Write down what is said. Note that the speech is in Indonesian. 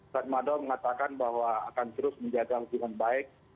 padma dao mengatakan bahwa akan terus menjaga kemampuan baik